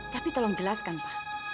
tapi tolong jelaskan pak